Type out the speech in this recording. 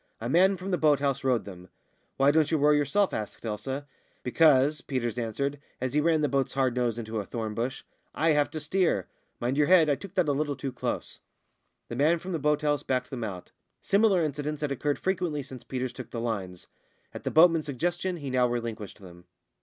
A man from the boat house rowed them. "Why don't you row yourself?" asked Elsa. "Because," Peters answered, as he ran the boat's nose hard into a thorn bush, "I have to steer. Mind your head I took that a little too close." The man from the boat house backed them out. Similar incidents had occurred frequently since Peters took the lines. At the boatman's suggestion he now relinquished them.